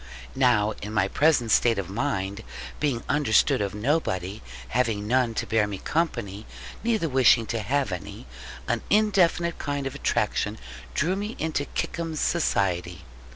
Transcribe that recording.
Now in my present state of mind, being understood of nobody, having none to bear me company, neither wishing to have any, an indefinite kind of attraction drew me into Kickum's society.